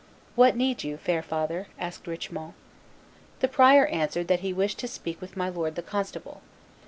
"What need you, fair father?" asked Richemont. The prior answered that he wished to speak with my lord the constable.